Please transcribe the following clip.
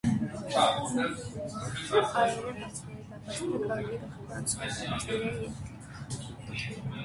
Արևելյան պարիսպների դարպասները քաղաքի գլխավոր անցումային դարպասներն են եղել։